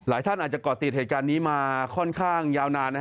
ท่านอาจจะก่อติดเหตุการณ์นี้มาค่อนข้างยาวนาน